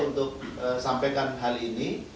untuk sampaikan hal ini